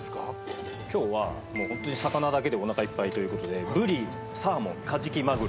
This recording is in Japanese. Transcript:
今日はホントに魚だけでおなかいっぱいということでブリサーモンカジキマグロ。